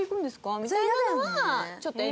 みたいなのは。